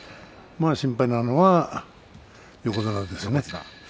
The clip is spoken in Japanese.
まあ、心配なのは横綱ですね。